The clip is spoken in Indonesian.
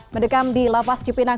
mendekam di lapas cipinang